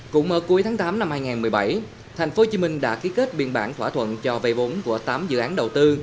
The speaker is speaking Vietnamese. cũng mở cuối tháng tám năm hai nghìn một mươi bảy tp hcm đã ký kết biên bản thỏa thuận cho vay vốn của tám dự án đầu tư